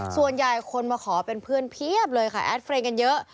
ส่วนใหญ่คนมาขอเป็นเพื่อนเพียบเลยค่ะแอดเฟรนด์กันเยอะ